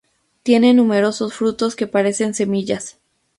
Tiene numerosos frutos que parecen semillas.